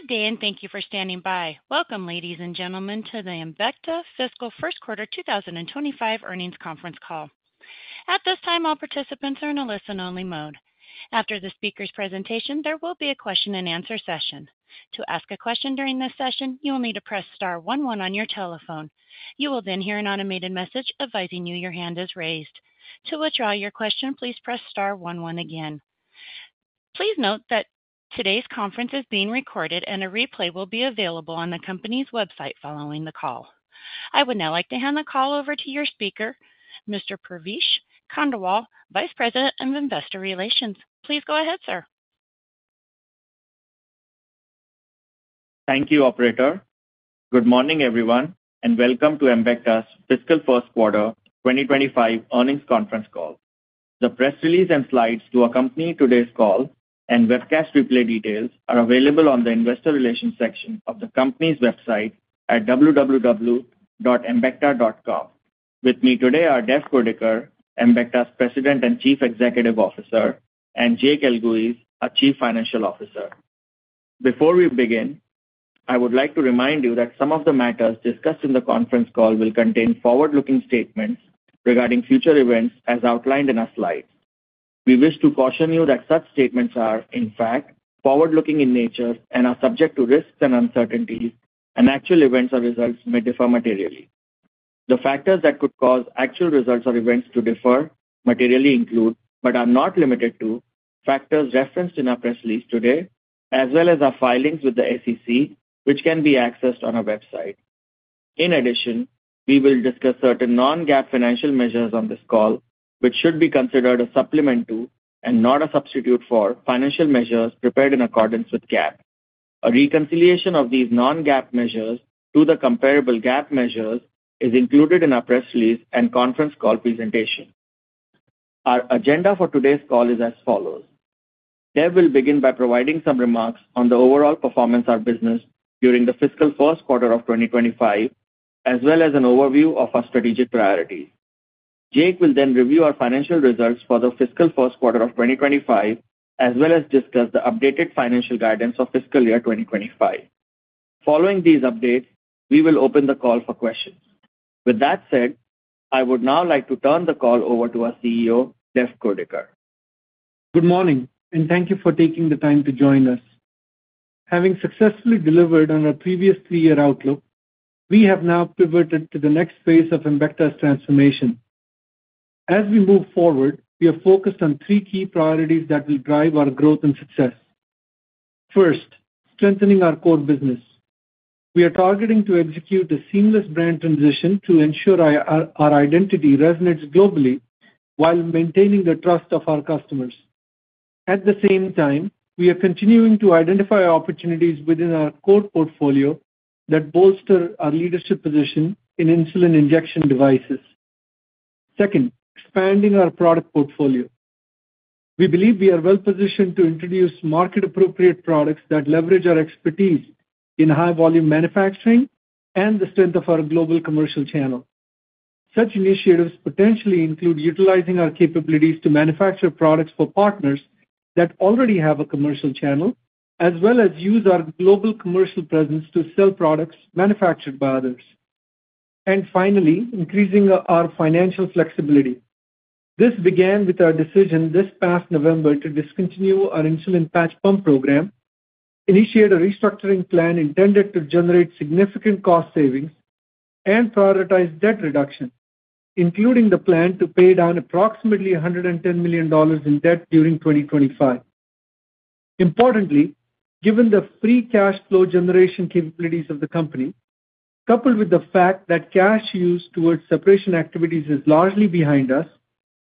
Good day, and thank you for standing by. Welcome, ladies and gentlemen, to the Embecta Fiscal First Quarter 2025 Earnings Conference Call. At this time, all participants are in a listen-only mode. After the speaker's presentation, there will be a question-and-answer session. To ask a question during this session, you will need to press star one one on your telephone. You will then hear an automated message advising you your hand is raised. To withdraw your question, please press star one one again. Please note that today's conference is being recorded, and a replay will be available on the company's website following the call. I would now like to hand the call over to your speaker, Mr. Pravesh Khandelwal, Vice President of Investor Relations. Please go ahead, sir. Thank you, Operator. Good morning, everyone, and welcome to Embecta's Fiscal First Quarter 2025 Earnings Conference Call. The press release and slides to accompany today's call and webcast replay details are available on the Investor Relations section of the company's website at www.embecta.com. With me today are Dev Kurdikar, Embecta's President and Chief Executive Officer, and Jake Elguicze, a Chief Financial Officer. Before we begin, I would like to remind you that some of the matters discussed in the conference call will contain forward-looking statements regarding future events as outlined in our slides. We wish to caution you that such statements are, in fact, forward-looking in nature and are subject to risks and uncertainties, and actual events or results may differ materially. The factors that could cause actual results or events to differ materially include, but are not limited to, factors referenced in our press release today, as well as our filings with the SEC, which can be accessed on our website. In addition, we will discuss certain non-GAAP financial measures on this call, which should be considered a supplement to and not a substitute for financial measures prepared in accordance with GAAP. A reconciliation of these non-GAAP measures to the comparable GAAP measures is included in our press release and conference call presentation. Our agenda for today's call is as follows. Dev will begin by providing some remarks on the overall performance of our business during the fiscal first quarter of 2025, as well as an overview of our strategic priorities. Jake will then review our financial results for the fiscal first quarter of 2025, as well as discuss the updated financial guidance for fiscal year 2025. Following these updates, we will open the call for questions. With that said, I would now like to turn the call over to our CEO, Dev Kurdikar. Good morning, and thank you for taking the time to join us. Having successfully delivered on our previous three-year outlook, we have now pivoted to the next phase of Embecta's transformation. As we move forward, we are focused on three key priorities that will drive our growth and success. First, strengthening our core business. We are targeting to execute a seamless brand transition to ensure our identity resonates globally while maintaining the trust of our customers. At the same time, we are continuing to identify opportunities within our core portfolio that bolster our leadership position in insulin injection devices. Second, expanding our product portfolio. We believe we are well-positioned to introduce market-appropriate products that leverage our expertise in high-volume manufacturing and the strength of our global commercial channel. Such initiatives potentially include utilizing our capabilities to manufacture products for partners that already have a commercial channel, as well as using our global commercial presence to sell products manufactured by others, and finally, increasing our financial flexibility. This began with our decision this past November to discontinue our insulin patch pump program, initiate a restructuring plan intended to generate significant cost savings, and prioritize debt reduction, including the plan to pay down approximately $110 million in debt during 2025. Importantly, given the free cash flow generation capabilities of the company, coupled with the fact that cash used towards separation activities is largely behind us,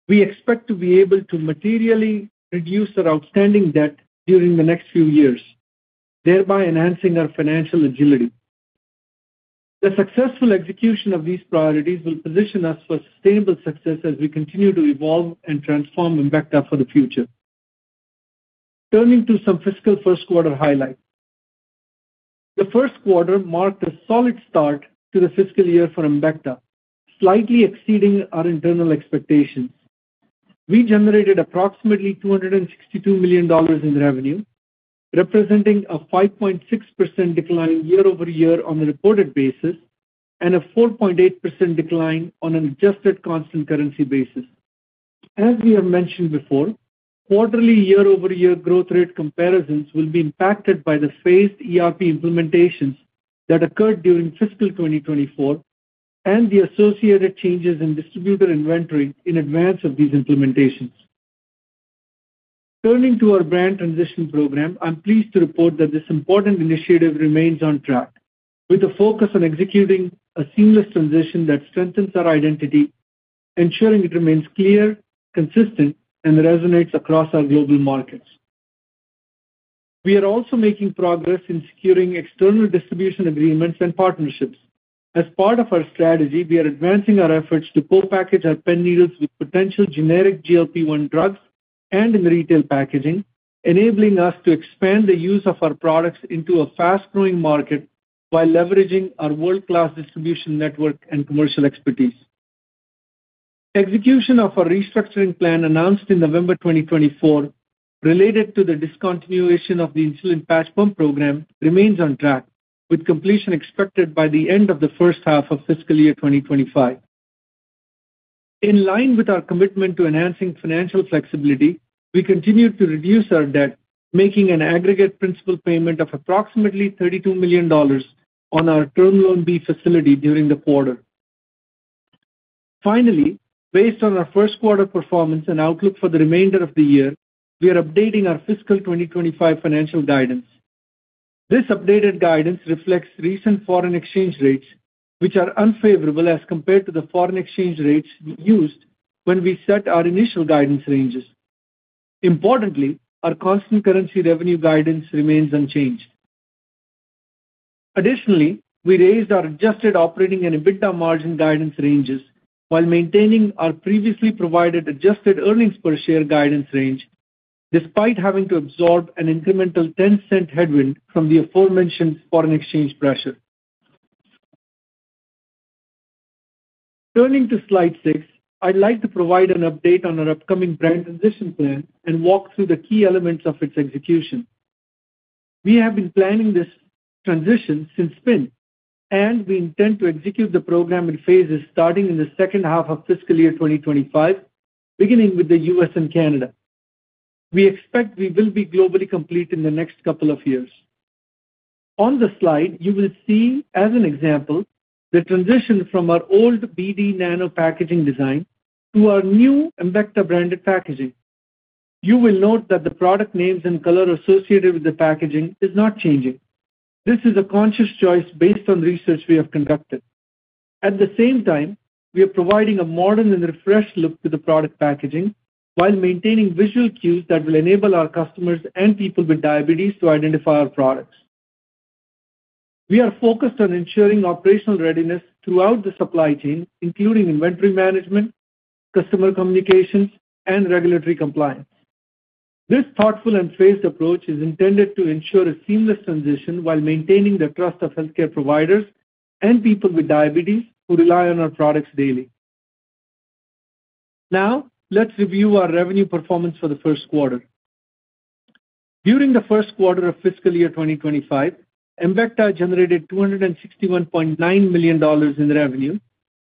we expect to be able to materially reduce our outstanding debt during the next few years, thereby enhancing our financial agility. The successful execution of these priorities will position us for sustainable success as we continue to evolve and transform Embecta for the future. Turning to some fiscal first quarter highlights. The first quarter marked a solid start to the fiscal year for Embecta, slightly exceeding our internal expectations. We generated approximately $262 million in revenue, representing a 5.6% decline year-over-year on the reported basis and a 4.8% decline on an adjusted constant currency basis. As we have mentioned before, quarterly year-over-year growth rate comparisons will be impacted by the phased ERP implementations that occurred during fiscal 2024 and the associated changes in distributor inventory in advance of these implementations. Turning to our brand transition program, I'm pleased to report that this important initiative remains on track, with a focus on executing a seamless transition that strengthens our identity, ensuring it remains clear, consistent, and resonates across our global markets. We are also making progress in securing external distribution agreements and partnerships. As part of our strategy, we are advancing our efforts to co-package our pen needles with potential generic GLP-1 drugs and in retail packaging, enabling us to expand the use of our products into a fast-growing market while leveraging our world-class distribution network and commercial expertise. Execution of our restructuring plan announced in November 2024, related to the discontinuation of the insulin patch pump program, remains on track, with completion expected by the end of the first half of fiscal year 2025. In line with our commitment to enhancing financial flexibility, we continue to reduce our debt, making an aggregate principal payment of approximately $32 million on our Term Loan B facility during the quarter. Finally, based on our first quarter performance and outlook for the remainder of the year, we are updating our fiscal 2025 financial guidance. This updated guidance reflects recent foreign exchange rates, which are unfavorable as compared to the foreign exchange rates used when we set our initial guidance ranges. Importantly, our constant currency revenue guidance remains unchanged. Additionally, we raised our adjusted operating and EBITDA margin guidance ranges while maintaining our previously provided adjusted earnings per share guidance range, despite having to absorb an incremental $0.10 headwind from the aforementioned foreign exchange pressure. Turning to slide six, I'd like to provide an update on our upcoming brand transition plan and walk through the key elements of its execution. We have been planning this transition since spring, and we intend to execute the program in phases starting in the second half of fiscal year 2025, beginning with the U.S. and Canada. We expect we will be globally complete in the next couple of years. On the slide, you will see, as an example, the transition from our old BD Nano packaging design to our new Embecta branded packaging. You will note that the product names and color associated with the packaging are not changing. This is a conscious choice based on research we have conducted. At the same time, we are providing a modern and refreshed look to the product packaging while maintaining visual cues that will enable our customers and people with diabetes to identify our products. We are focused on ensuring operational readiness throughout the supply chain, including inventory management, customer communications, and regulatory compliance. This thoughtful and phased approach is intended to ensure a seamless transition while maintaining the trust of healthcare providers and people with diabetes who rely on our products daily. Now, let's review our revenue performance for the first quarter. During the first quarter of fiscal year 2025, Embecta generated $261.9 million in revenue,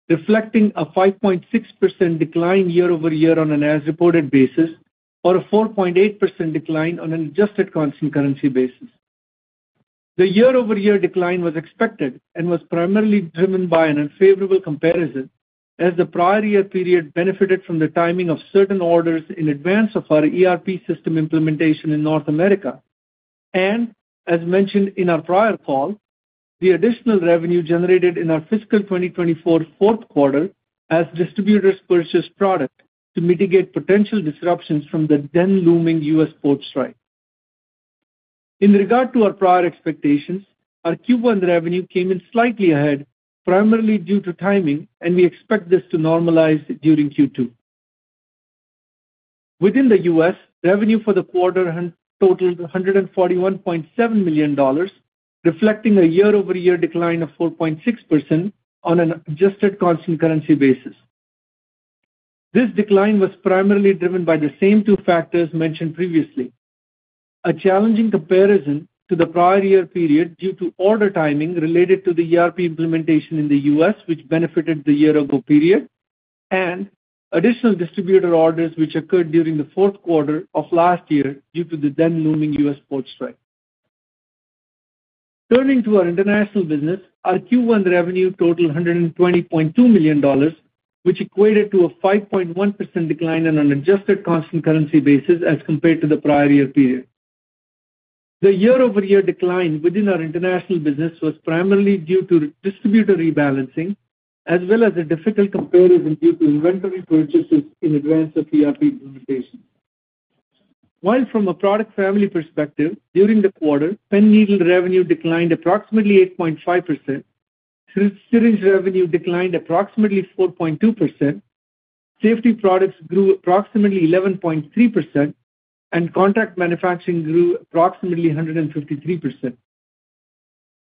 reflecting a 5.6% decline year-over-year on an as-reported basis or a 4.8% decline on an adjusted constant currency basis. The year-over-year decline was expected and was primarily driven by an unfavorable comparison, as the prior year period benefited from the timing of certain orders in advance of our ERP system implementation in North America, and as mentioned in our prior call, the additional revenue generated in our fiscal 2024 fourth quarter as distributors purchased product to mitigate potential disruptions from the then looming U.S. port strike. In regard to our prior expectations, our Q1 revenue came in slightly ahead, primarily due to timing, and we expect this to normalize during Q2. Within the U.S., revenue for the quarter totaled $141.7 million, reflecting a year-over-year decline of 4.6% on an adjusted constant currency basis. This decline was primarily driven by the same two factors mentioned previously: a challenging comparison to the prior year period due to order timing related to the ERP implementation in the U.S., which benefited the year-ago period, and additional distributor orders which occurred during the fourth quarter of last year due to the then looming U.S. port strike. Turning to our international business, our Q1 revenue totaled $120.2 million, which equated to a 5.1% decline on an adjusted constant currency basis as compared to the prior year period. The year-over-year decline within our international business was primarily due to distributor rebalancing, as well as a difficult comparison due to inventory purchases in advance of ERP implementation. While from a product family perspective, during the quarter, pen needle revenue declined approximately 8.5%, syringe revenue declined approximately 4.2%, safety products grew approximately 11.3%, and contract manufacturing grew approximately 153%.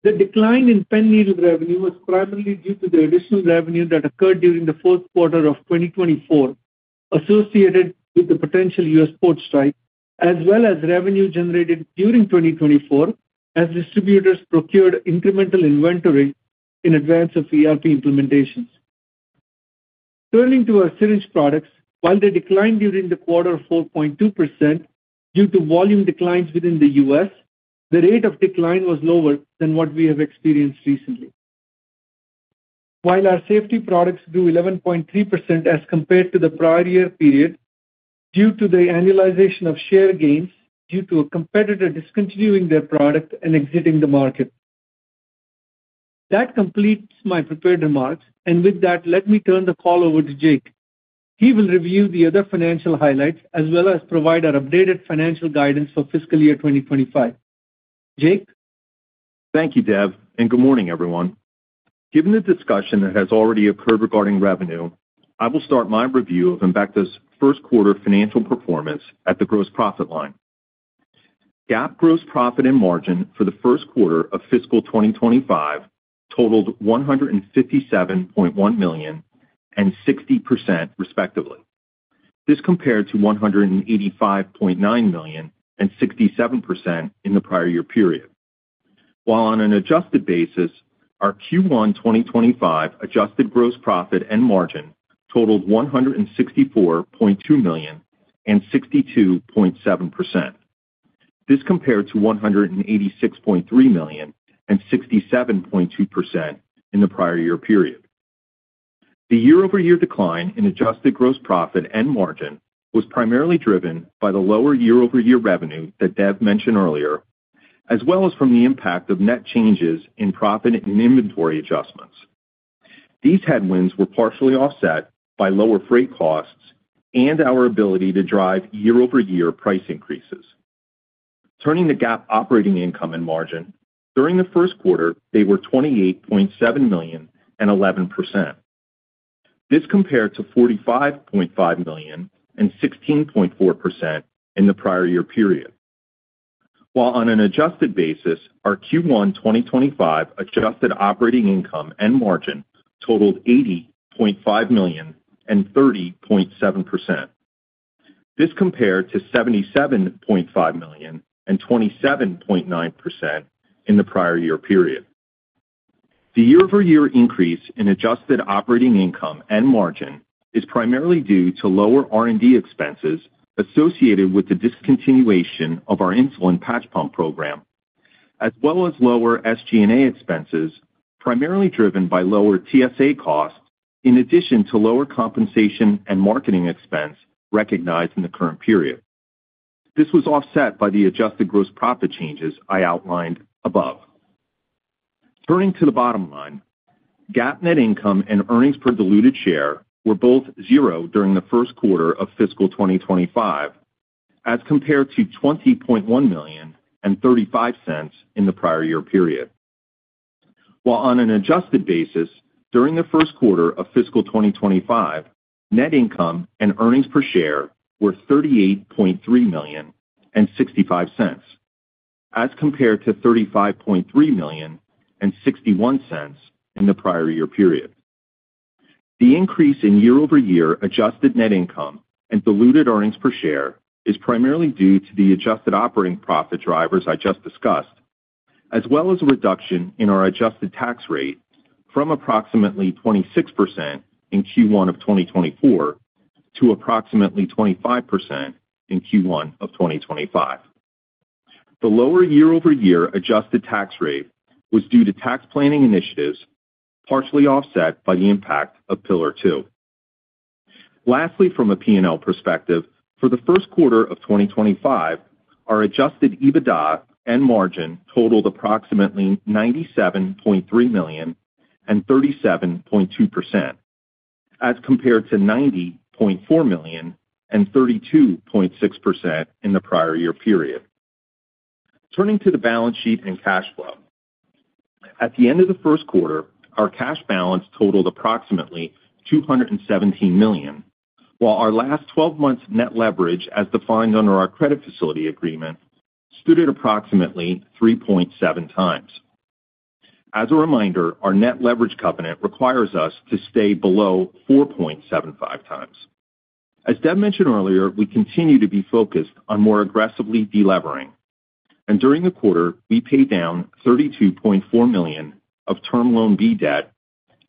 The decline in pen needle revenue was primarily due to the additional revenue that occurred during the fourth quarter of 2024, associated with the potential U.S. port strike, as well as revenue generated during 2024 as distributors procured incremental inventory in advance of ERP implementations. Turning to our syringe products, while they declined during the quarter of 4.2% due to volume declines within the U.S., the rate of decline was lower than what we have experienced recently. While our safety products grew 11.3% as compared to the prior year period due to the annualization of share gains due to a competitor discontinuing their product and exiting the market. That completes my prepared remarks, and with that, let me turn the call over to Jake. He will review the other financial highlights as well as provide our updated financial guidance for fiscal year 2025. Jake. Thank you, Dev, and good morning, everyone. Given the discussion that has already occurred regarding revenue, I will start my review of Embecta's first quarter financial performance at the gross profit line. GAAP gross profit and margin for the first quarter of fiscal 2025 totaled $157.1 million and 60%, respectively. This compared to $185.9 million and 67% in the prior year period. While on an adjusted basis, our Q1 2025 adjusted gross profit and margin totaled $164.2 million and 62.7%. This compared to $186.3 million and 67.2% in the prior year period. The year-over-year decline in adjusted gross profit and margin was primarily driven by the lower year-over-year revenue that Dev mentioned earlier, as well as from the impact of net changes in profit and inventory adjustments. These headwinds were partially offset by lower freight costs and our ability to drive year-over-year price increases. Turning to GAAP operating income and margin, during the first quarter, they were $28.7 million and 11%. This compared to $45.5 million and 16.4% in the prior year period. While on an adjusted basis, our Q1 2025 adjusted operating income and margin totaled $80.5 million and 30.7%. This compared to $77.5 million and 27.9% in the prior year period. The year-over-year increase in adjusted operating income and margin is primarily due to lower R&D expenses associated with the discontinuation of our insulin patch pump program, as well as lower SG&A expenses, primarily driven by lower TSA costs, in addition to lower compensation and marketing expense recognized in the current period. This was offset by the adjusted gross profit changes I outlined above. Turning to the bottom line, GAAP net income and earnings per diluted share were both zero during the first quarter of fiscal 2025, as compared to $20.1 million and $0.35 in the prior year period. While on an adjusted basis, during the first quarter of fiscal 2025, net income and earnings per share were $38.3 million and $0.65, as compared to $35.3 million and $0.61 in the prior year period. The increase in year-over-year adjusted net income and diluted earnings per share is primarily due to the adjusted operating profit drivers I just discussed, as well as a reduction in our adjusted tax rate from approximately 26% in Q1 of 2024 to approximately 25% in Q1 of 2025. The lower year-over-year adjusted tax rate was due to tax planning initiatives, partially offset by the impact of Pillar Two. Lastly, from a P&L perspective, for the first quarter of 2025, our Adjusted EBITDA and margin totaled approximately $97.3 million and 37.2%, as compared to $90.4 million and 32.6% in the prior year period. Turning to the balance sheet and cash flow. At the end of the first quarter, our cash balance totaled approximately $217 million, while our last 12 months' net leverage, as defined under our credit facility agreement, stood at approximately 3.7 times. As a reminder, our net leverage covenant requires us to stay below 4.75x. As Dev mentioned earlier, we continue to be focused on more aggressively delevering, and during the quarter, we paid down $32.4 million of Term Loan B debt,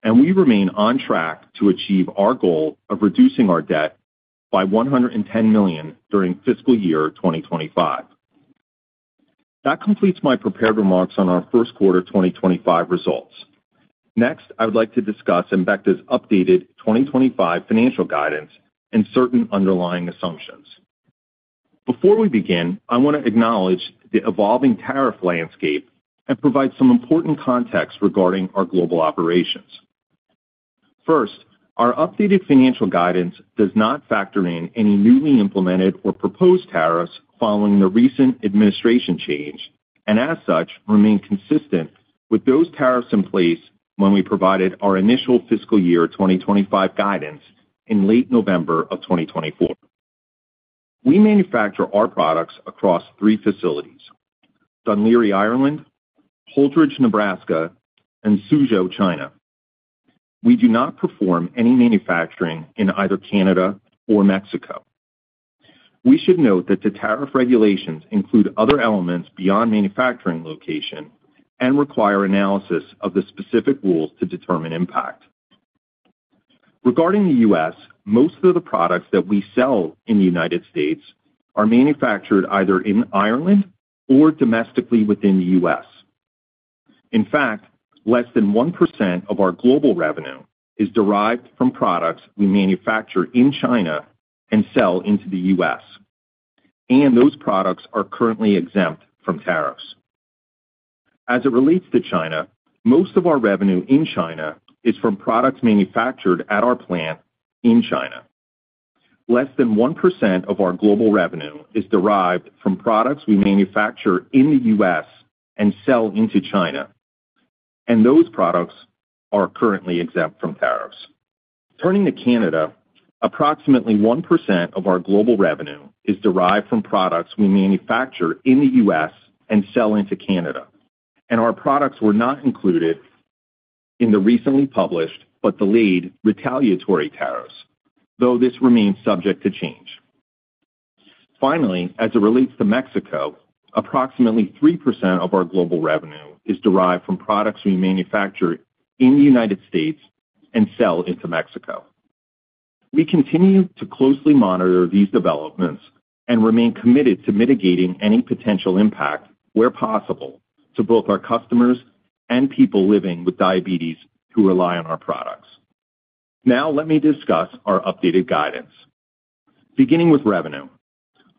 and we remain on track to achieve our goal of reducing our debt by $110 million during fiscal year 2025. That completes my prepared remarks on our first quarter 2025 results. Next, I would like to discuss Embecta's updated 2025 financial guidance and certain underlying assumptions. Before we begin, I want to acknowledge the evolving tariff landscape and provide some important context regarding our global operations. First, our updated financial guidance does not factor in any newly implemented or proposed tariffs following the recent administration change, and as such, remain consistent with those tariffs in place when we provided our initial fiscal year 2025 guidance in late November of 2024. We manufacture our products across three facilities: Dún Laoghaire, Ireland; Holdrege, Nebraska; and Suzhou, China. We do not perform any manufacturing in either Canada or Mexico. We should note that the tariff regulations include other elements beyond manufacturing location and require analysis of the specific rules to determine impact. Regarding the U.S., most of the products that we sell in the United States are manufactured either in Ireland or domestically within the U.S. In fact, less than 1% of our global revenue is derived from products we manufacture in China and sell into the U.S., and those products are currently exempt from tariffs. As it relates to China, most of our revenue in China is from products manufactured at our plant in China. Less than 1% of our global revenue is derived from products we manufacture in the U.S. and sell into China, and those products are currently exempt from tariffs. Turning to Canada, approximately 1% of our global revenue is derived from products we manufacture in the U.S. and sell into Canada, and our products were not included in the recently published but delayed retaliatory tariffs, though this remains subject to change. Finally, as it relates to Mexico, approximately 3% of our global revenue is derived from products we manufacture in the United States and sell into Mexico. We continue to closely monitor these developments and remain committed to mitigating any potential impact, where possible, to both our customers and people living with diabetes who rely on our products. Now, let me discuss our updated guidance. Beginning with revenue,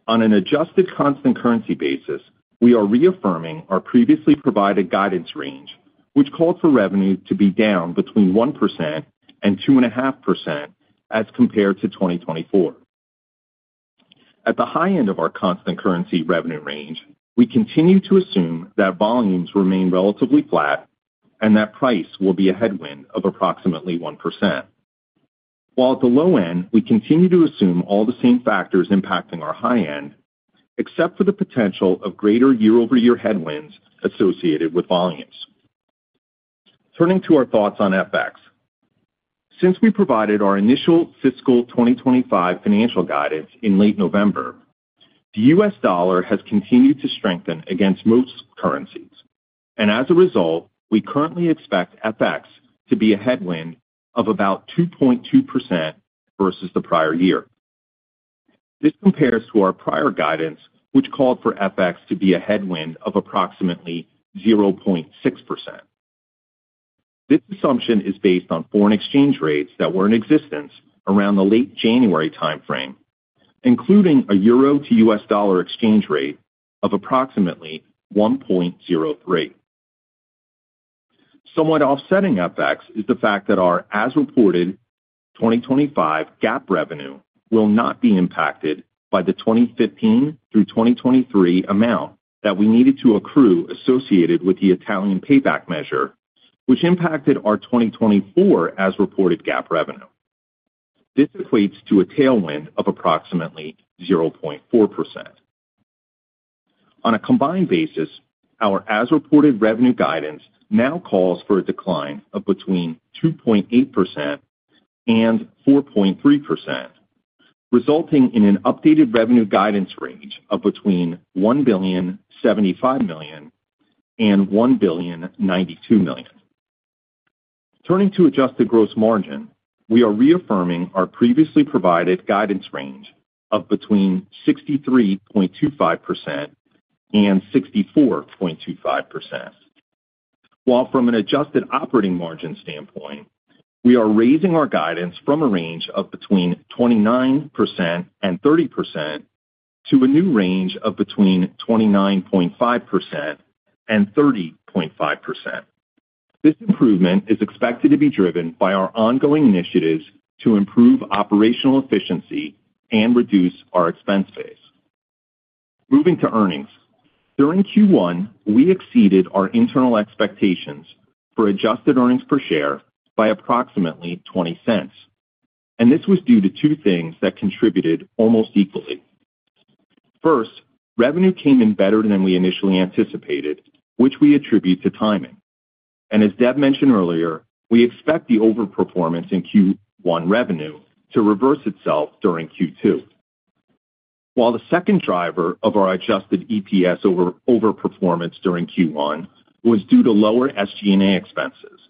on an adjusted constant currency basis, we are reaffirming our previously provided guidance range, which called for revenue to be down between 1% and 2.5% as compared to 2024. At the high end of our constant currency revenue range, we continue to assume that volumes remain relatively flat and that price will be a headwind of approximately 1%. While at the low end, we continue to assume all the same factors impacting our high end, except for the potential of greater year-over-year headwinds associated with volumes. Turning to our thoughts on FX, since we provided our initial fiscal 2025 financial guidance in late November, the U.S. dollar has continued to strengthen against most currencies, and as a result, we currently expect FX to be a headwind of about 2.2% versus the prior year. This compares to our prior guidance, which called for FX to be a headwind of approximately 0.6%. This assumption is based on foreign exchange rates that were in existence around the late January timeframe, including a euro to U.S. dollar exchange rate of approximately 1.03. Somewhat offsetting FX is the fact that our as-reported 2025 GAAP revenue will not be impacted by the 2015 through 2023 amount that we needed to accrue associated with the Italian payback measure, which impacted our 2024 as-reported GAAP revenue. This equates to a tailwind of approximately 0.4%. On a combined basis, our as-reported revenue guidance now calls for a decline of between 2.8% and 4.3%, resulting in an updated revenue guidance range of between $1.075 billion and $1.092 billion. Turning to adjusted gross margin, we are reaffirming our previously provided guidance range of between 63.25% and 64.25%. While from an adjusted operating margin standpoint, we are raising our guidance from a range of between 29% and 30% to a new range of between 29.5% and 30.5%. This improvement is expected to be driven by our ongoing initiatives to improve operational efficiency and reduce our expense base. Moving to earnings, during Q1, we exceeded our internal expectations for adjusted earnings per share by approximately $0.20, and this was due to two things that contributed almost equally. First, revenue came in better than we initially anticipated, which we attribute to timing, and as Dev mentioned earlier, we expect the overperformance in Q1 revenue to reverse itself during Q2. While the second driver of our Adjusted EPS overperformance during Q1 was due to lower SG&A expenses.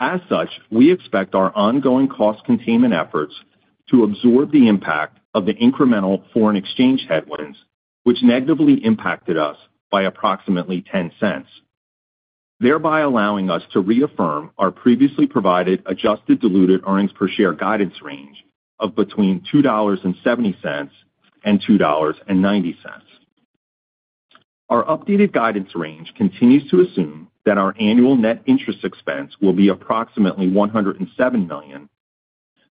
As such, we expect our ongoing cost containment efforts to absorb the impact of the incremental foreign exchange headwinds, which negatively impacted us by approximately $0.10, thereby allowing us to reaffirm our previously provided adjusted diluted earnings per share guidance range of between $2.70 and $2.90. Our updated guidance range continues to assume that our annual net interest expense will be approximately $107 million,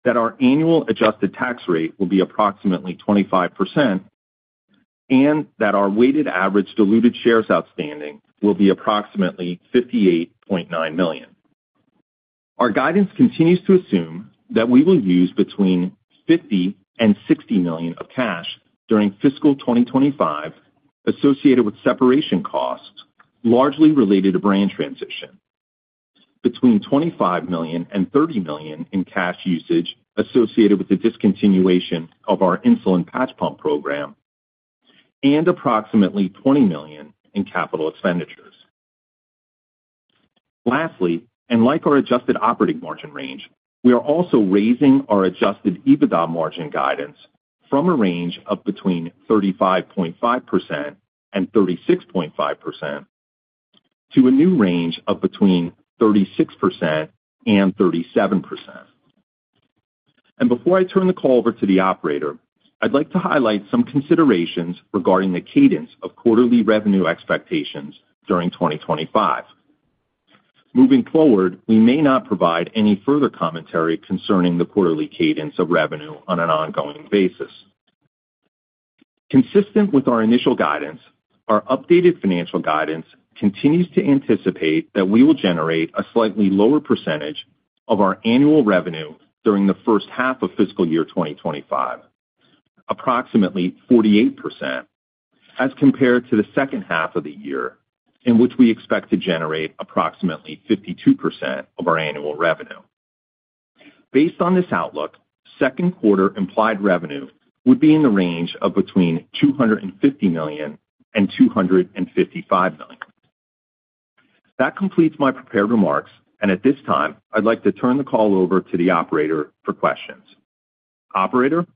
that our annual adjusted tax rate will be approximately 25%, and that our weighted average diluted shares outstanding will be approximately 58.9 million. Our guidance continues to assume that we will use between $50-$60 million of cash during fiscal 2025 associated with separation costs largely related to brand transition, between $25million and $30 million in cash usage associated with the discontinuation of our insulin patch pump program, and approximately $20 million in capital expenditures. Lastly, and like our adjusted operating margin range, we are also raising our Adjusted EBITDA margin guidance from a range of between 35.5% and 36.5% to a new range of between 36% and 37%. And before I turn the call over to the operator, I'd like to highlight some considerations regarding the cadence of quarterly revenue expectations during 2025. Moving forward, we may not provide any further commentary concerning the quarterly cadence of revenue on an ongoing basis. Consistent with our initial guidance, our updated financial guidance continues to anticipate that we will generate a slightly lower percentage of our annual revenue during the first half of fiscal year 2025, approximately 48%, as compared to the second half of the year, in which we expect to generate approximately 52% of our annual revenue. Based on this outlook, second quarter implied revenue would be in the range of between $250 million and $255 million. That completes my prepared remarks, and at this time, I'd like to turn the call over to the operator for questions. Operator?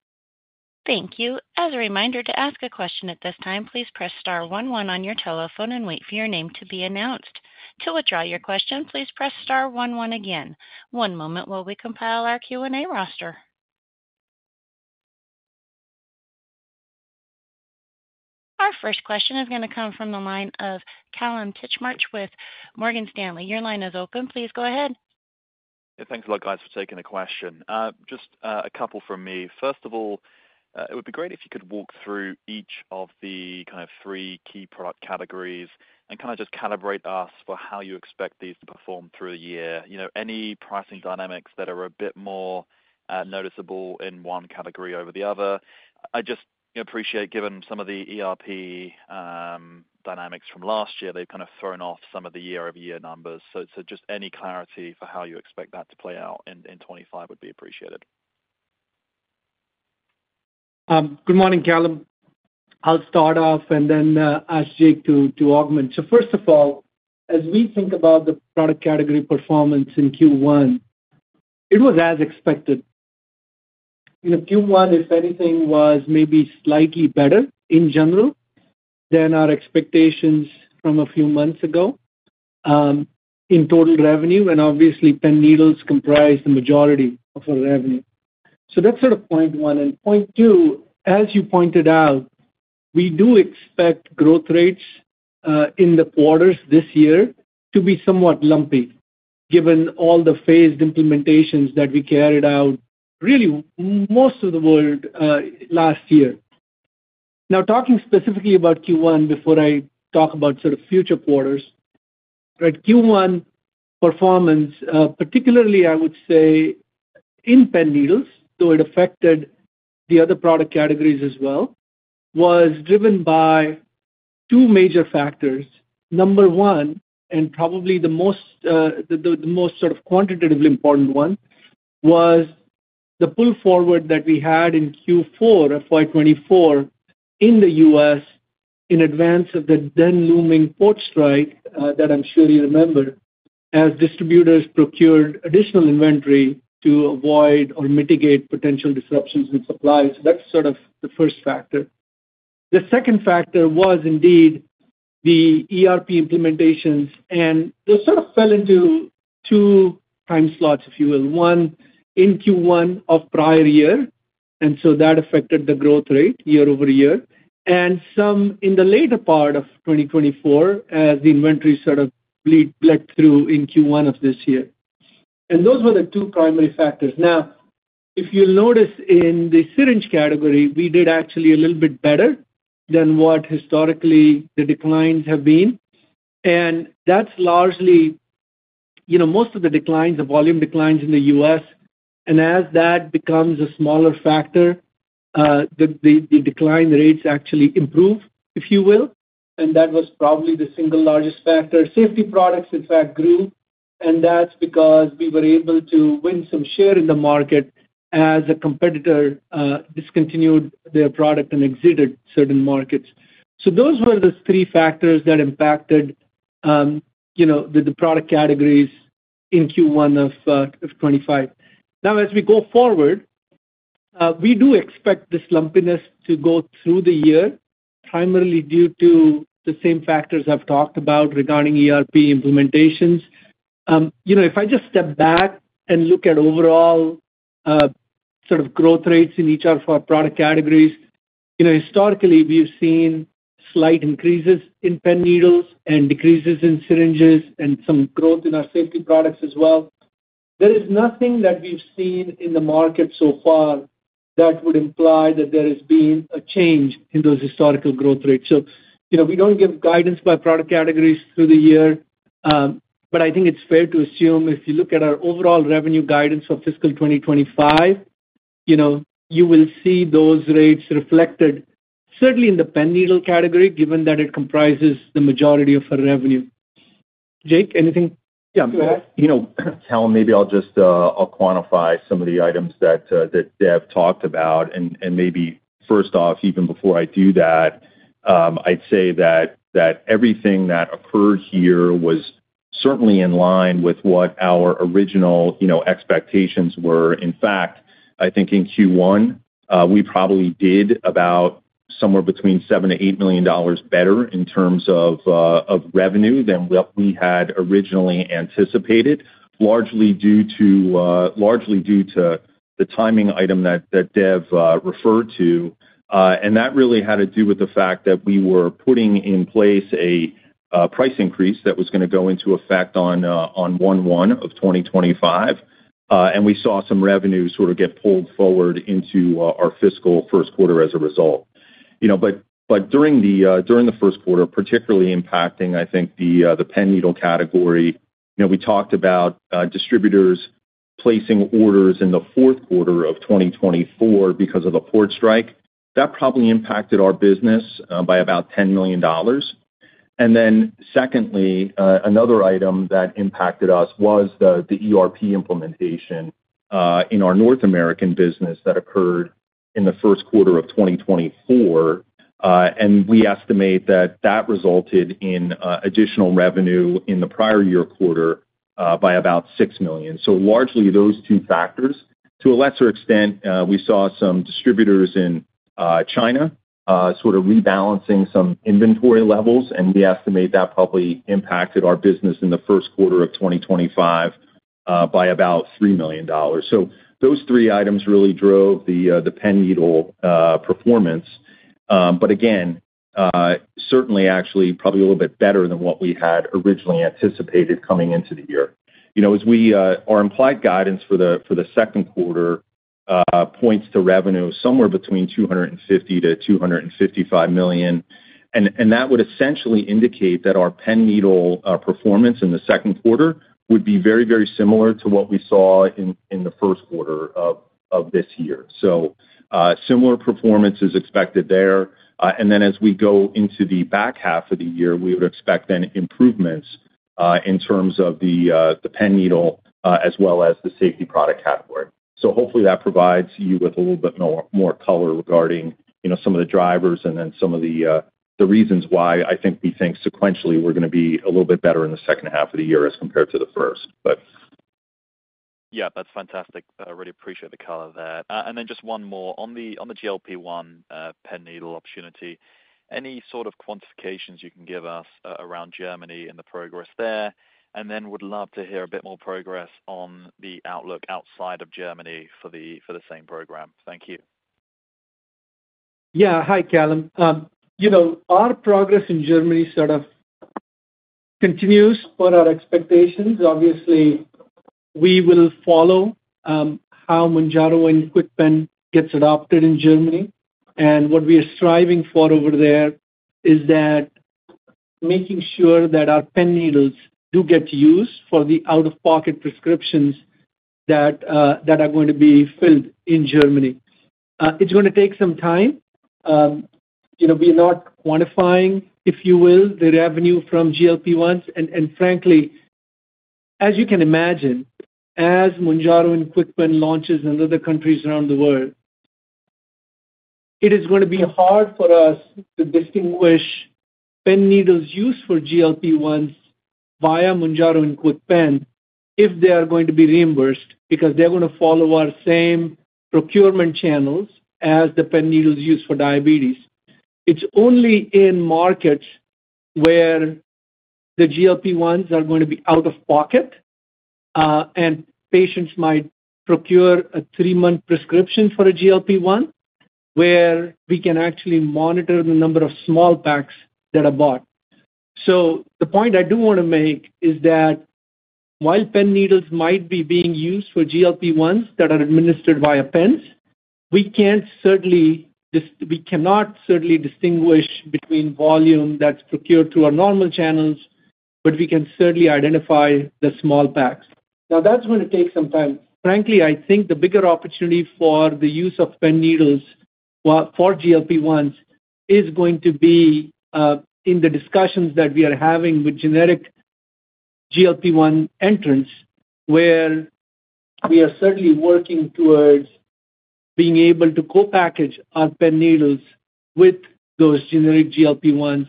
Thank you. As a reminder, to ask a question at this time, please press star one one on your telephone and wait for your name to be announced. To withdraw your question, please press star one one again. One moment while we compile our Q&A roster. Our first question is going to come from the line of Kallum Titchmarsh with Morgan Stanley. Your line is open. Please go ahead. Yeah, thanks a lot, guys, for taking the question. Just a couple from me. First of all, it would be great if you could walk through each of the kind of three key product categories and kind of just calibrate us for how you expect these to perform through the year. Any pricing dynamics that are a bit more noticeable in one category over the other? I just appreciate, given some of the ERP dynamics from last year, they've kind of thrown off some of the year-over-year numbers. So just any clarity for how you expect that to play out in 2025 would be appreciated. Good morning, Kallum. I'll start off and then ask Jake to augment. So first of all, as we think about the product category performance in Q1, it was as expected. Q1, if anything, was maybe slightly better in general than our expectations from a few months ago in total revenue, and obviously, pen needles comprise the majority of our revenue. So that's sort of point one. And point two, as you pointed out, we do expect growth rates in the quarters this year to be somewhat lumpy, given all the phased implementations that we carried out, really most of the world last year. Now, talking specifically about Q1, before I talk about sort of future quarters, right, Q1 performance, particularly, I would say, in pen needles, though it affected the other product categories as well, was driven by two major factors. Number one, and probably the most sort of quantitatively important one, was the pull forward that we had in Q4 of 2024 in the U.S. in advance of the then looming port strike that I'm sure you remember, as distributors procured additional inventory to avoid or mitigate potential disruptions in supply. So that's sort of the first factor. The second factor was indeed the ERP implementations, and those sort of fell into two time slots, if you will. One in Q1 of prior year, and so that affected the growth rate year-over-year, and some in the later part of 2024 as the inventory sort of buildup blew through in Q1 of this year. And those were the two primary factors. Now, if you'll notice in the syringe category, we did actually a little bit better than what historically the declines have been, and that's largely most of the declines, the volume declines in the U.S. And as that becomes a smaller factor, the decline rates actually improve, if you will, and that was probably the single largest factor. Safety products, in fact, grew, and that's because we were able to win some share in the market as a competitor discontinued their product and exited certain markets. So those were the three factors that impacted the product categories in Q1 of 2025. Now, as we go forward, we do expect this lumpiness to go through the year, primarily due to the same factors I've talked about regarding ERP implementations. If I just step back and look at overall sort of growth rates in each of our product categories, historically, we've seen slight increases in pen needles and decreases in syringes and some growth in our safety products as well. There is nothing that we've seen in the market so far that would imply that there has been a change in those historical growth rates. So we don't give guidance by product categories through the year, but I think it's fair to assume if you look at our overall revenue guidance for fiscal 2025, you will see those rates reflected certainly in the pen needle category, given that it comprises the majority of our revenue. Jake, anything? Yeah, well, you know, Callum, maybe I'll just quantify some of the items that Dev talked about. And maybe first off, even before I do that, I'd say that everything that occurred here was certainly in line with what our original expectations were. In fact, I think in Q1, we probably did about somewhere between $7 million and $8 million better in terms of revenue than what we had originally anticipated, largely due to the timing item that Dev referred to. And that really had to do with the fact that we were putting in place a price increase that was going to go into effect on 1/1 of 2025, and we saw some revenue sort of get pulled forward into our fiscal first quarter as a result. But during the first quarter, particularly impacting, I think, the pen needle category, we talked about distributors placing orders in the fourth quarter of 2024 because of the port strike. That probably impacted our business by about $10 million. And then secondly, another item that impacted us was the ERP implementation in our North American business that occurred in the first quarter of 2024. And we estimate that that resulted in additional revenue in the prior year quarter by about $6 million. So largely those two factors. To a lesser extent, we saw some distributors in China sort of rebalancing some inventory levels, and we estimate that probably impacted our business in the first quarter of 2025 by about $3 million. So those three items really drove the pen needle performance. But again, certainly, actually, probably a little bit better than what we had originally anticipated coming into the year. As our implied guidance for the second quarter points to revenue somewhere between $250 million-$255 million, and that would essentially indicate that our pen needle performance in the second quarter would be very, very similar to what we saw in the first quarter of this year. Similar performance is expected there. Then as we go into the back half of the year, we would expect improvements in terms of the pen needle as well as the safety product category. Hopefully, that provides you with a little bit more color regarding some of the drivers and then some of the reasons why I think we think sequentially we're going to be a little bit better in the second half of the year as compared to the first. Yeah, that's fantastic. I really appreciate the color on that. And then just one more on the GLP-1 pen needle opportunity, any sort of quantifications you can give us around Germany and the progress there? And then would love to hear a bit more progress on the outlook outside of Germany for the same program. Thank you. Yeah. Hi, Kallum. Our progress in Germany sort of continues for our expectations. Obviously, we will follow how Mounjaro and KwikPen gets adopted in Germany. And what we are striving for over there is that making sure that our pen needles do get used for the out-of-pocket prescriptions that are going to be filled in Germany. It's going to take some time. We are not quantifying, if you will, the revenue from GLP-1s. Frankly, as you can imagine, as Mounjaro and KwikPen launches in other countries around the world, it is going to be hard for us to distinguish pen needles used for GLP-1s via Mounjaro and KwikPen if they are going to be reimbursed because they're going to follow our same procurement channels as the pen needles used for diabetes. It's only in markets where the GLP-1s are going to be out of pocket, and patients might procure a three-month prescription for a GLP-1 where we can actually monitor the number of small packs that are bought. The point I do want to make is that while pen needles might be being used for GLP-1s that are administered via pens, we cannot certainly distinguish between volume that's procured through our normal channels, but we can certainly identify the small packs. Now, that's going to take some time. Frankly, I think the bigger opportunity for the use of pen needles for GLP-1s is going to be in the discussions that we are having with generic GLP-1 entrants, where we are certainly working towards being able to co-package our pen needles with those generic GLP-1s.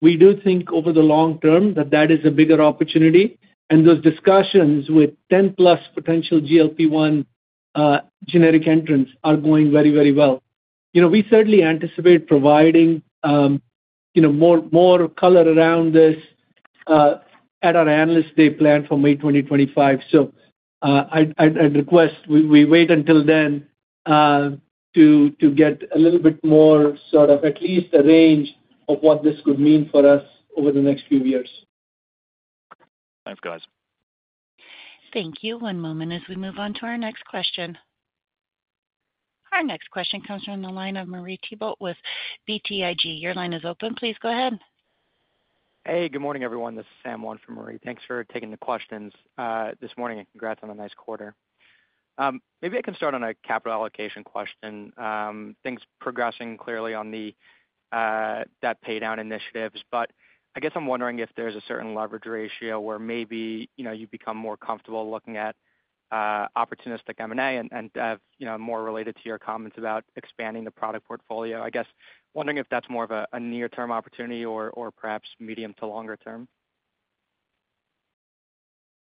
We do think over the long term that that is a bigger opportunity, and those discussions with 10-plus potential GLP-1 generic entrants are going very, very well. We certainly anticipate providing more color around this at our analyst day plan for May 2025. So I'd request we wait until then to get a little bit more sort of at least a range of what this could mean for us over the next few years. Thanks, guys. Thank you. One moment as we move on to our next question. Our next question comes from the line of Marie Thibault with BTIG. Your line is open. Please go ahead. Hey, good morning, everyone. This is Sam Ewan for Marie. Thanks for taking the questions this morning and congrats on a nice quarter. Maybe I can start on a capital allocation question. Things progressing clearly on that paydown initiatives, but I guess I'm wondering if there's a certain leverage ratio where maybe you become more comfortable looking at opportunistic M&A and more related to your comments about expanding the product portfolio. I guess wondering if that's more of a near-term opportunity or perhaps medium to longer term.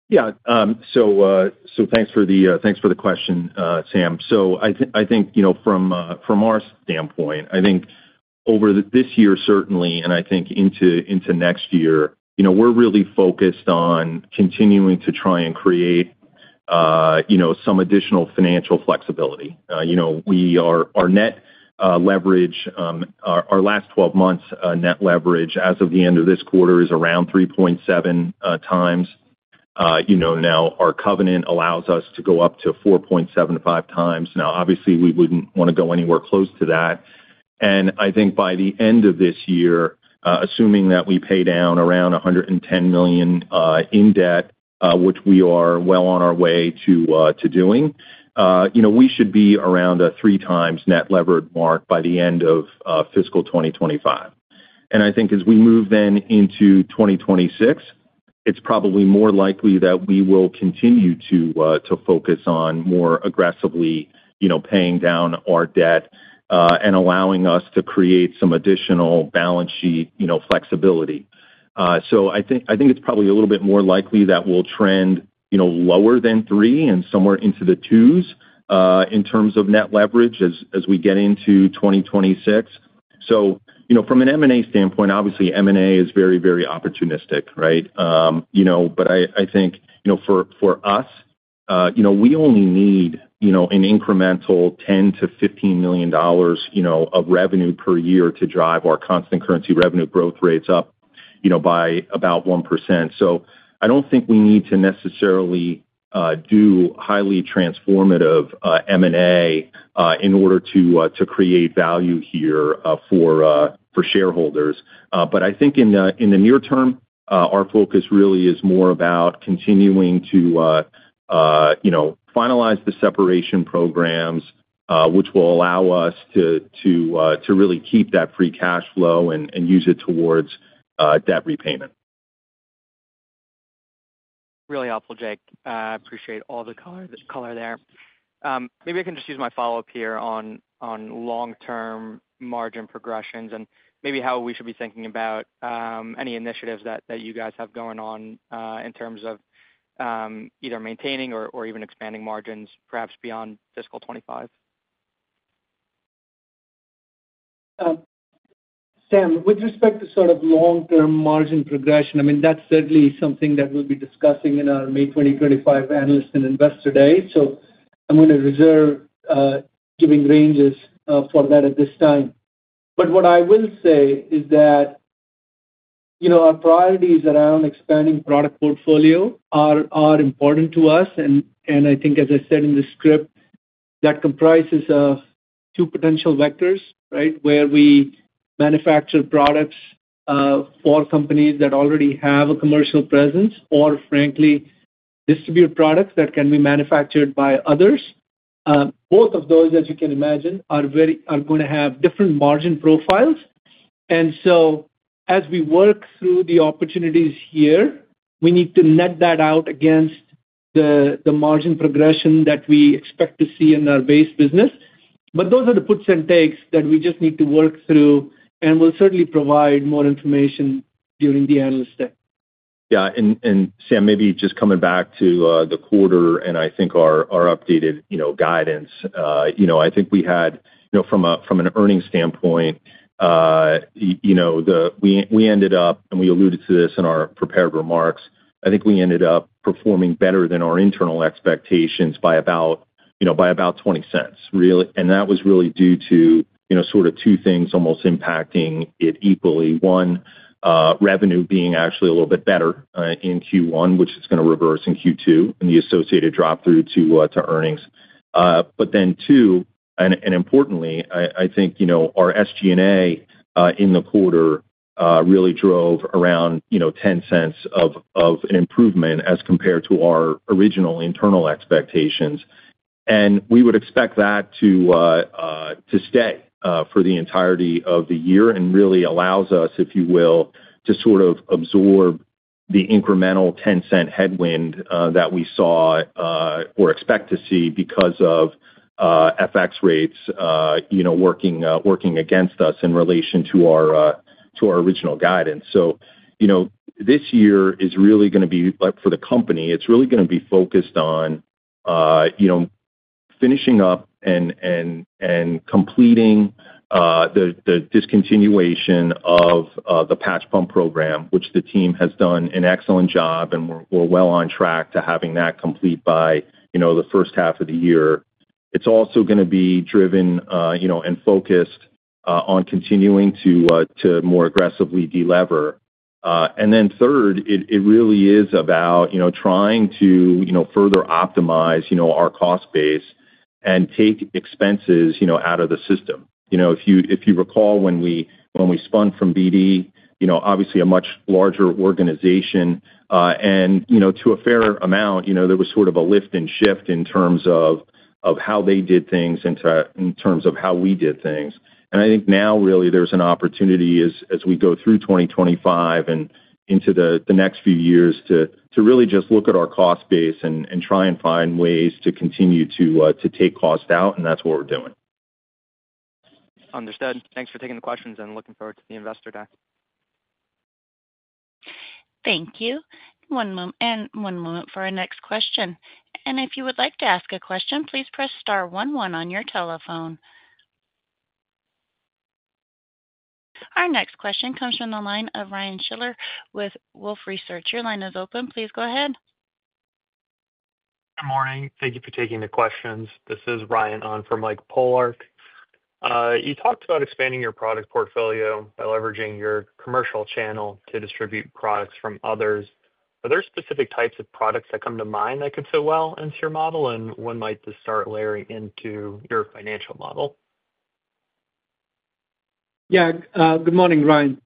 Yeah. So thanks for the question, Sam. So I think from our standpoint, I think over this year, certainly, and I think into next year, we're really focused on continuing to try and create some additional financial flexibility. Our net leverage, our last 12 months net leverage as of the end of this quarter is around 3.7x. Now, our covenant allows us to go up to 4.75x. Now, obviously, we wouldn't want to go anywhere close to that, and I think by the end of this year, assuming that we pay down around $110 million in debt, which we are well on our way to doing, we should be around a three-times net leverage mark by the end of fiscal 2025. And I think as we move then into 2026, it's probably more likely that we will continue to focus on more aggressively paying down our debt and allowing us to create some additional balance sheet flexibility, so I think it's probably a little bit more likely that we'll trend lower than three and somewhere into the twos in terms of net leverage as we get into 2026, so from an M&A standpoint, obviously, M&A is very, very opportunistic, right? I think for us, we only need an incremental $10 million-$15 million of revenue per year to drive our constant currency revenue growth rates up by about 1%. So I don't think we need to necessarily do highly transformative M&A in order to create value here for shareholders. But I think in the near term, our focus really is more about continuing to finalize the separation programs, which will allow us to really keep that free cash flow and use it towards debt repayment. Really helpful, Jake. I appreciate all the color there. Maybe I can just use my follow-up here on long-term margin progressions and maybe how we should be thinking about any initiatives that you guys have going on in terms of either maintaining or even expanding margins, perhaps beyond fiscal 2025. Sam, with respect to sort of long-term margin progression, I mean, that's certainly something that we'll be discussing in our May 2025 Analyst and Investor Day. So I'm going to reserve giving ranges for that at this time. But what I will say is that our priorities around expanding product portfolio are important to us. And I think, as I said in the script, that comprises two potential vectors, right, where we manufacture products for companies that already have a commercial presence or, frankly, distribute products that can be manufactured by others. Both of those, as you can imagine, are going to have different margin profiles. And so as we work through the opportunities here, we need to net that out against the margin progression that we expect to see in our base business. But those are the puts and takes that we just need to work through, and we'll certainly provide more information during the analyst day. Yeah. And Sam, maybe just coming back to the quarter and I think our updated guidance, I think we had from an earnings standpoint, we ended up, and we alluded to this in our prepared remarks, I think we ended up performing better than our internal expectations by about $0.20. And that was really due to sort of two things almost impacting it equally. One, revenue being actually a little bit better in Q1, which is going to reverse in Q2 and the associated drop through to earnings. But then two, and importantly, I think our SG&A in the quarter really drove around $0.10 of an improvement as compared to our original internal expectations. And we would expect that to stay for the entirety of the year and really allows us, if you will, to sort of absorb the incremental $0.10 headwind that we saw or expect to see because of FX rates working against us in relation to our original guidance. So this year is really going to be for the company, it's really going to be focused on finishing up and completing the discontinuation of the patch pump program, which the team has done an excellent job and we're well on track to having that complete by the first half of the year. It's also going to be driven and focused on continuing to more aggressively deliver. And then third, it really is about trying to further optimize our cost base and take expenses out of the system. If you recall when we spun from BD, obviously a much larger organization, and to a fair amount, there was sort of a lift and shift in terms of how they did things and in terms of how we did things. I think now really there's an opportunity as we go through 2025 and into the next few years to really just look at our cost base and try and find ways to continue to take cost out, and that's what we're doing. Understood. Thanks for taking the questions and looking forward to the Investor Day. Thank you. One moment for our next question. If you would like to ask a question, please press star one one on your telephone. Our next question comes from the line of Ryan Schiller with Wolfe Research. Your line is open. Please go ahead. Good morning. Thank you for taking the questions. This is Ryan on for Mike Polark. You talked about expanding your product portfolio by leveraging your commercial channel to distribute products from others. Are there specific types of products that come to mind that could fit well into your model, and when might this start layering into your financial model? Yeah. Good morning, Ryan.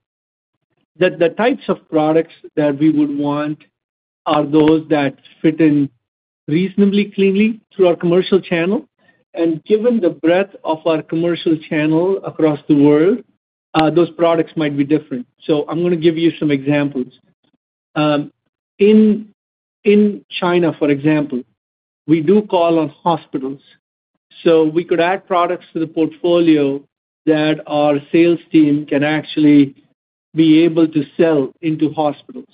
The types of products that we would want are those that fit in reasonably cleanly through our commercial channel. Given the breadth of our commercial channel across the world, those products might be different. I'm going to give you some examples. In China, for example, we do call on hospitals. We could add products to the portfolio that our sales team can actually be able to sell into hospitals.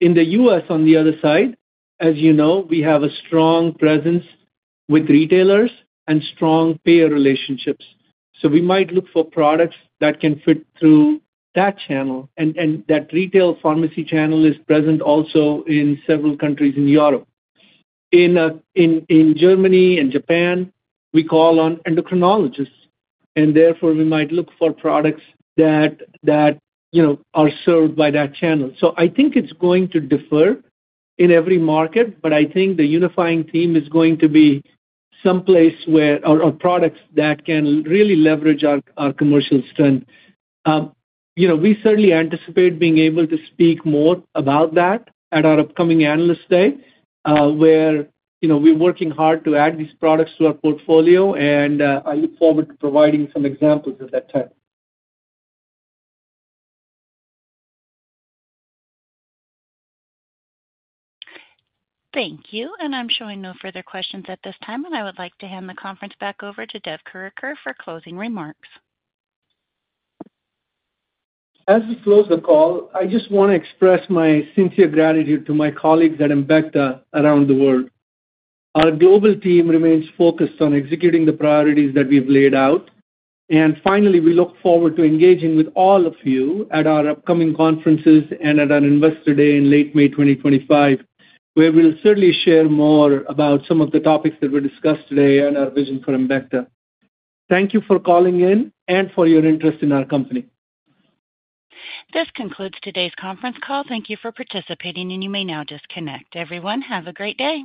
In the U.S., on the other side, as you know, we have a strong presence with retailers and strong payer relationships. So we might look for products that can fit through that channel. And that retail pharmacy channel is present also in several countries in Europe. In Germany and Japan, we call on endocrinologists. And therefore, we might look for products that are served by that channel. So I think it's going to differ in every market, but I think the unifying theme is going to be someplace where our products that can really leverage our commercial strength. We certainly anticipate being able to speak more about that at our upcoming analyst day, where we're working hard to add these products to our portfolio, and I look forward to providing some examples at that time. Thank you. And I'm showing no further questions at this time, and I would like to hand the conference back over to Dev Kurdikar for closing remarks. As we close the call, I just want to express my sincere gratitude to my colleagues at Embecta around the world. Our global team remains focused on executing the priorities that we've laid out. And finally, we look forward to engaging with all of you at our upcoming conferences and at our Investor Day in late May 2025, where we'll certainly share more about some of the topics that were discussed today and our vision for Embecta. Thank you for calling in and for your interest in our company. This concludes today's conference call. Thank you for participating, and you may now disconnect. Everyone, have a great day.